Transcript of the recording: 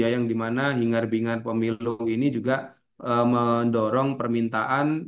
yang dimana hingar bingar pemilu ini juga mendorong permintaan